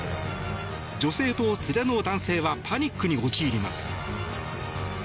女性と連れの男性はパニックに陥ります。